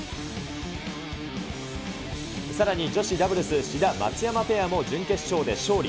さらに女子ダブルス、志田・松山ペアも準決勝で勝利。